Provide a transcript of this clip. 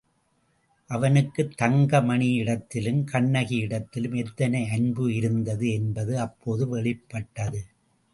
அவனுக்குத் தங்கமணியிடத்திலும், கண்ணகியிடத்திலும் எத்தனை அன்பு இருந்தது என்பது அப்போது வெளிப்பட்டது.